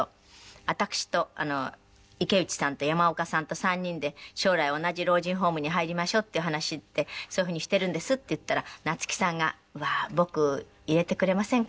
私と池内さんと山岡さんと３人で将来同じ老人ホームに入りましょうっていう話でそういう風にしてるんですって言ったら夏木さんが「うわあ僕入れてくれませんかね？」。